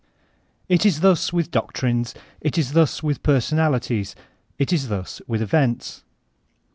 It is thus with doctrines, it is thus with personalities, it is thus with events.